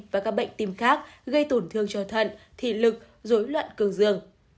và các bệnh tim khác gây tổn thương cho thận thị lực dối loạn cường dường